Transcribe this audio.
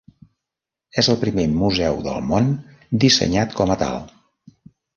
És el primer museu del món dissenyat com a tal.